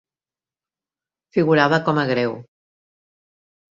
Figurava com a greu.